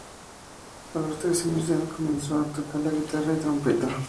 A los trece años de edad, comenzó a tocar la guitarra y la trompeta.